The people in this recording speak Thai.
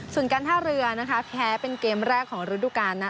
ส่วนกันท่าเรือแพ้เป็นเกมแรกของฤดุกรรมนะ